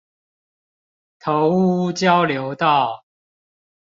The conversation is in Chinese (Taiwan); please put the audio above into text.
頭屋交流道